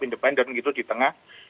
independen gitu di tengah